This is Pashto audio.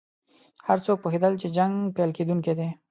هر څوک پوهېدل چې جنګ پیل کېدونکی دی.